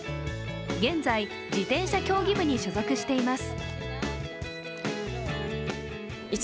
現在、自転車競技部に所属しています。